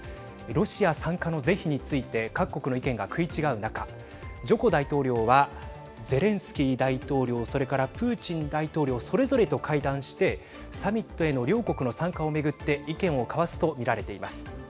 ロシア参加の是非について各国の意見が食い違う中ジョコ大統領はゼレンスキー大統領、それからプーチン大統領それぞれと会談してサミットへの両国の参加を巡って意見を交わすと見られています。